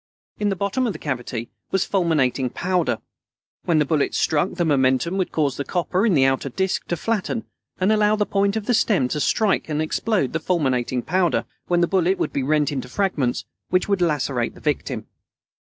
In the bottom of the cavity was fulminating powder. When the bullet struck, the momentum would cause the copper in the outer disc to flatten, and allow the point of the stem to strike and explode the fulminating powder, when the bullet would be rent into fragments which would lacerate the victim.